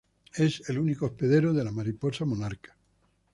Es el único hospedero de la mariposa monarca.